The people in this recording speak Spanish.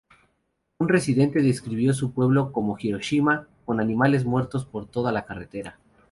Un residente describió su pueblo como "Hiroshima", con "animales muertos por toda la carretera".